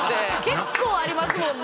結構ありますもんね。